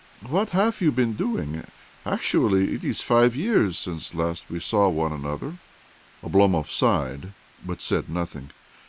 What have you been doing? Actually, it is five years since last we saw one another I " Oblomov sighed, but said nothing.